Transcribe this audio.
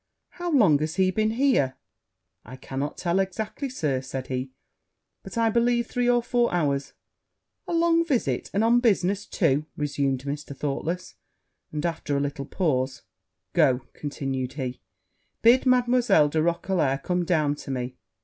'How long has he been here?' 'I cannot tell exactly, Sir,' said he; 'but, I believe, three or four hours.' 'A long visit; and on business too!' resumed Mr. Thoughtless; and, after a little pause, 'Go,' continued he, 'bid Mademoiselle de Roquelair come down to me.'